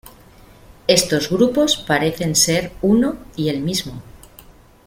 Estos grupos parecen ser uno y el mismo.